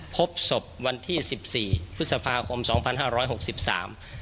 พบศพวันที่สิบสี่พฤษภาคมสองพันห้าร้อยหกสิบสาม